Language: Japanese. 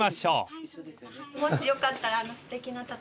もしよかったら。